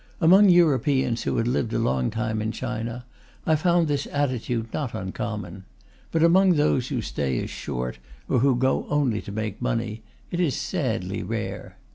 Among Europeans who had lived a long time in China, I found this attitude not uncommon; but among those whose stay is short, or who go only to make money, it is sadly rare.